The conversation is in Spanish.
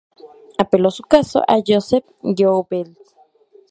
Apeló su caso a Joseph Goebbels.